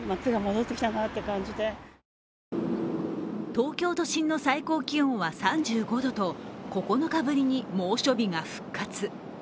東京都心の最高気温は３５度と９日ぶりに猛暑日が復活。